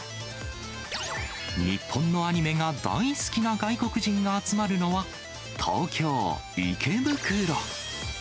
日本のアニメが大好きな外国人が集まるのは、東京・池袋。